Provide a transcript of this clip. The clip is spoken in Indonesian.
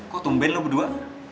kok tumben lo berdua